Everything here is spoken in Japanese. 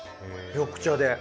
緑茶で。